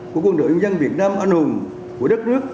của quân đội nhân dân việt nam anh hùng của đất nước